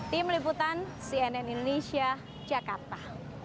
tim liputan cnn indonesia jakarta